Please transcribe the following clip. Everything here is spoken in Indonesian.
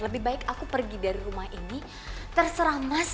lebih baik aku pergi dari rumah ini terserah mas